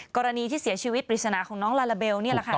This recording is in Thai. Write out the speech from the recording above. กรณีที่เสียชีวิตปริศนาของน้องลาลาเบลนี่แหละค่ะ